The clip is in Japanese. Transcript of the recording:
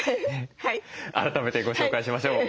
改めてご紹介しましょう。